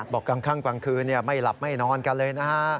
บอกกำคังกว่างคืนไม่หลับไม่นอนกันเลยนะฮะ